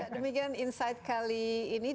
demikian insight kali ini